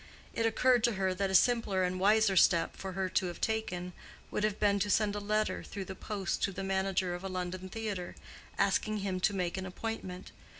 It occurred to her that a simpler and wiser step for her to have taken would have been to send a letter through the post to the manager of a London theatre, asking him to make an appointment.